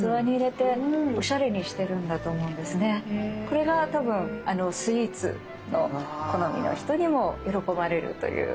これが多分スイーツの好みの人にも喜ばれるという。